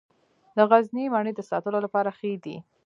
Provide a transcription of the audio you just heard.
د غزني مڼې د ساتلو لپاره ښې دي.